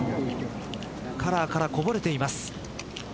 カラーからこぼれています。